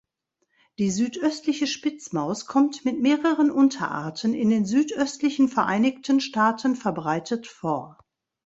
Die Südöstliche Spitzmaus kommt mit mehreren Unterarten in den südöstlichen Vereinigten Staaten verbreitet vor.